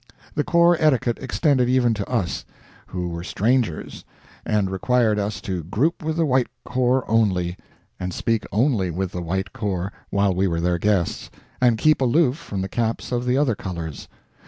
The corps etiquette extended even to us, who were strangers, and required us to group with the white corps only, and speak only with the white corps, while we were their guests, and keep aloof from the caps of the other colors.